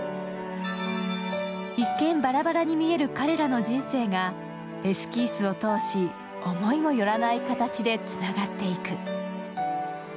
一見、ばらばらに見える彼らの人生がエスキースを通し、思いも寄らない形でつながっていく。